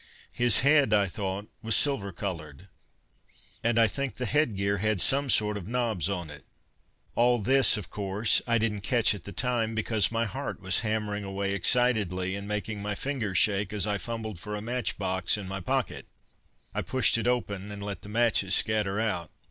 His head, I thought was silver coloured, and I think the headgear had some sort of knobs on it. All this, of course, I didn't catch at the time, because my heart was hammering away excitedly and making my fingers shake as I fumbled for a matchbox in my pocket, I pushed it open and let the matches scatter out.